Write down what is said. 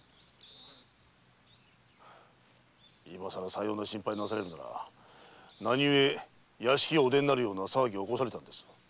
今さらさような心配なされるなら何ゆえ屋敷をお出になるような騒ぎを起こされたのです？